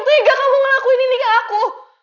tiga kamu ngelakuin ini ke aku